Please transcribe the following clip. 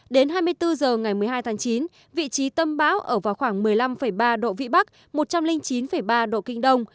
đến hai mươi bốn h ngày một mươi hai tháng chín vị trí tâm bão ở vào khoảng một mươi năm ba độ vĩ bắc một trăm linh chín ba độ kinh đông